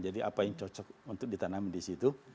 jadi apa yang cocok untuk ditanam di situ